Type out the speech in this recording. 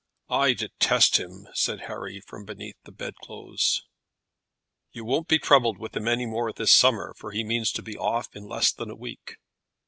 "I detest him," said Harry, from beneath the bedclothes. "You won't be troubled with him any more this summer, for he means to be off in less than a week."